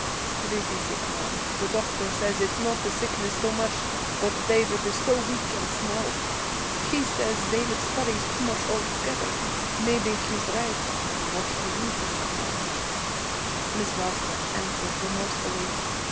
'Pretty sick, ma'am. The doctor says it's not the sickness so much, but David is so weak and small. He says David studies too much altogether. Maybe he's right. What do you think, ma'am?' Miss Ralston answered remorsefully.